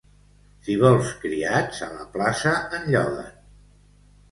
Si vols criats, a la plaça en lloguen.